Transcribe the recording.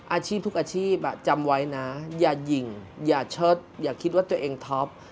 อาชีพทุกอาชีพจำไว้นะอย่ายิงอย่าเชิดอย่าคิดว่าตัวเองท็อป